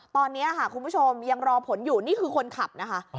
ตอนนี้ค่ะคุณผู้ชมยังรอผลอยู่นี่คือคนขับนะคะ